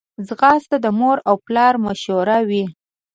ځغاسته د مور او پلار مشوره وي